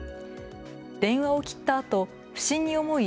電話を切ったあと不審に思い